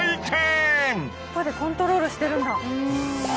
尻尾でコントロールしてるんだ。